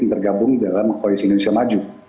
yang tergabung dalam koalisi indonesia maju